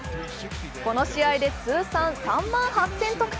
この試合で通算３万８０００得点。